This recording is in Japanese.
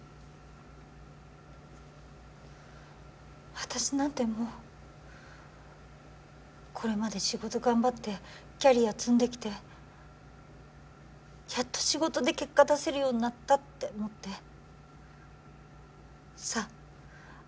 私なんてもうこれまで仕事頑張ってキャリア積んできてやっと仕事で結果出せるようになったって思ってさあ